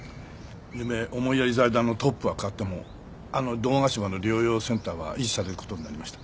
夢思いやり財団のトップは代わってもあの堂ヶ島の療養センターは維持される事になりました。